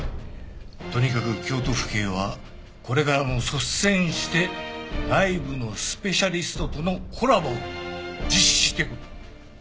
とにかく京都府警はこれからも率先して外部のスペシャリストとのコラボを実施していく。